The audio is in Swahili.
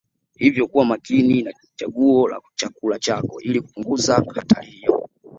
Hivyo kuwa makini na chaguo la chakula chako ili kupunguza hatari hiyo